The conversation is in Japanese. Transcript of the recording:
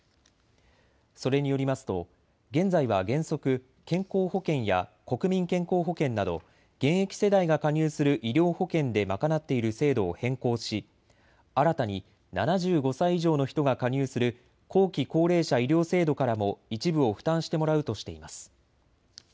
それによりますと現在は原則、健康保険や国民健康保険など現役世代が加入する医療保険で賄っている制度を変更し新たに７５歳以上の人が加入する後期高齢者医療制度からも一部を負担してもらうとしています。